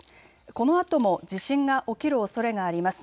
このあとも地震が起きるおそれがあります。